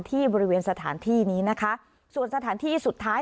ที่บริเวณสถานที่นี้นะคะส่วนสถานที่สุดท้าย